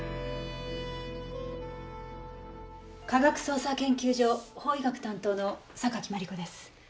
科学捜査研究所法医学担当の榊マリコです。